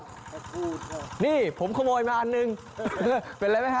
ผักกูดค่ะนี่ผมขโมยมาอันหนึ่งเป็นอะไรไหมค่ะ